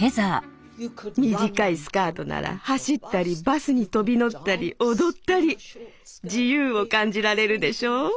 短いスカートなら走ったりバスに飛び乗ったり踊ったり自由を感じられるでしょ。